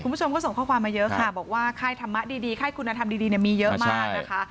คุณผู้ชมก็ส่งข้อความมาเยอะค่ะบอกว่าค่ายธรรมะดีค่ายคุณธรรมดีมีเยอะมากนะคะ